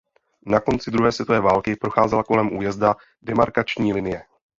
Na konci druhé světové války procházela kolem Újezda demarkační linie.